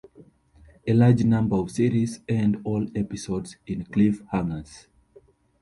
A large number of series end all episodes in cliffhangers.